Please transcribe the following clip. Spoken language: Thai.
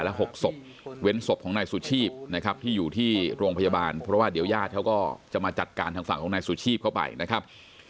๖ศพเว้นศพของนายสุชีพนะครับที่อยู่ที่โรงพยาบาลเพราะว่าเดี๋ยวญาติเขาก็จะมาจัดการทางฝั่งของนายสุชีพเข้าไปนะครับ